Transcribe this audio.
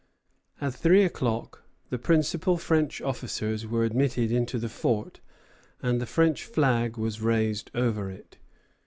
At three o'clock the principal French officers were admitted into the fort, and the French flag was raised over it.